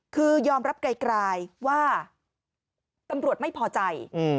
คือยอมรับไกลว่าตำรวจไม่พอใจ